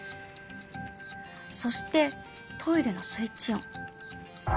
そしてトイレのスイッチ音。